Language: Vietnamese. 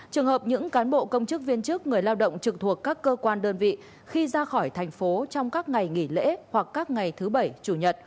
trường hợp những cán bộ công chức viên chức người lao động trực thuộc các cơ quan đơn vị khi ra khỏi thành phố trong các ngày nghỉ lễ hoặc các ngày thứ bảy chủ nhật